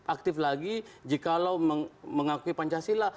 aktif lagi jikalau mengakui pancasila